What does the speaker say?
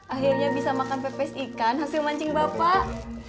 akhirnya bisa makan pepes ikan hasil mancing bapak